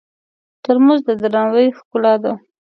ترموز د درناوي ښکلا ده.